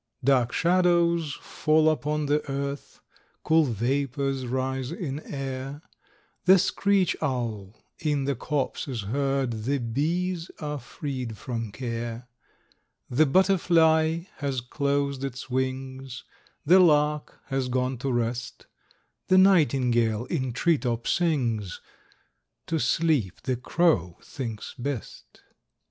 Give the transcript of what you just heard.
Dark shadows fall upon the earth, Cool vapors rise in air, The screech owl in the copse is heard, The bees are freed from care. The butterfly has closed its wings, The lark has gone to rest; The nightingale in tree top sings; To sleep the crow thinks best.